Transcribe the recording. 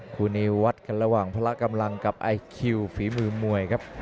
คู่นี้วัดกันระหว่างพละกำลังกับไอคิวฝีมือมวยครับ